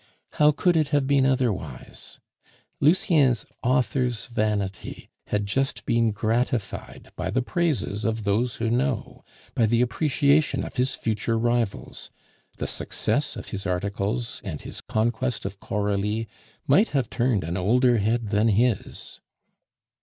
How could it have been otherwise? Lucien's author's vanity had just been gratified by the praises of those who know; by the appreciation of his future rivals; the success of his articles and his conquest of Coralie might have turned an older head than his.